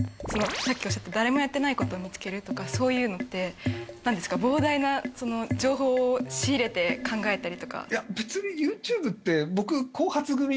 さっきおっしゃってた誰もやってない事を見つけるとかそういうのってなんですか膨大な情報を仕入れて考えたりとか。